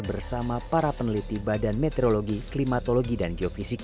bersama para peneliti badan meteorologi klimatologi dan geofisika